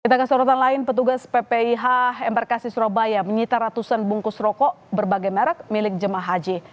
kita ke sorotan lain petugas ppih embarkasi surabaya menyita ratusan bungkus rokok berbagai merek milik jemaah haji